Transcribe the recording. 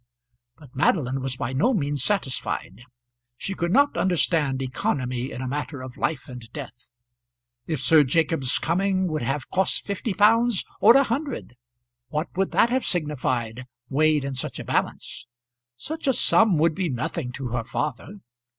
But Madeline was by no means satisfied. She could not understand economy in a matter of life and death. If Sir Jacob's coming would have cost fifty pounds, or a hundred, what would that have signified, weighed in such a balance? Such a sum would be nothing to her father.